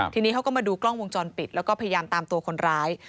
ทีนี้เขาก็มาดูกล้องวงจรปิดแล้วก็พยายามตามตัวคนร้าย